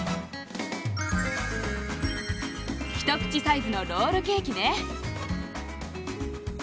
一口サイズのロールケーキね。